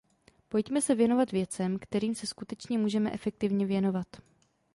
Pojďme se věnovat věcem, kterým se skutečně můžeme efektivně věnovat.